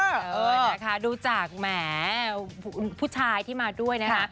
เออนะคะดูจากแหมผู้ชายที่มาด้วยนะคะ